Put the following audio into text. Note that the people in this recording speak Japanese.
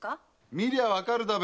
見りゃわかるだべ。